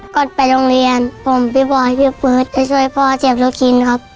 ก่อนไปโรงเรียนผมพี่บอร์พี่เฟิร์ทจะช่วยพ่อเจ็บรถชิ้นครับ